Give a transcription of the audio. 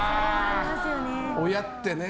親ってね。